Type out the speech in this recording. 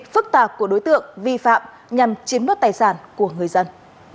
phức tạp của đối tượng vi phạm nhằm chiếm nốt tài sản của người dân